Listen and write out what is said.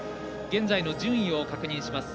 現在の順位を確認します。